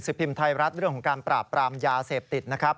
พิมพ์ไทยรัฐเรื่องของการปราบปรามยาเสพติดนะครับ